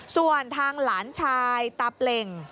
ส่วนทางหลานชายตาเปล่ง